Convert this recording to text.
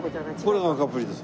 これが赤プリです。